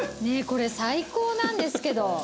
ねえこれ最高なんですけど。